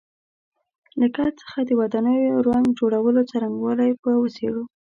له ګچ څخه د ودانیو رنګ جوړولو څرنګوالی به وڅېړو.